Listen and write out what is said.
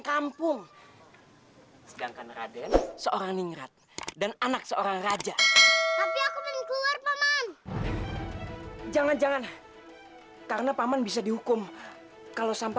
kan akang ngejagain dia udah biasa